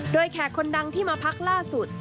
โดยแขกคนดังที่มาพักล่าสุด